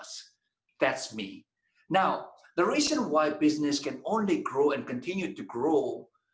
sekarang alasan mengapa bisnis hanya bisa tumbuh dan terus tumbuh